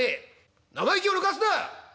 「生意気をぬかすな！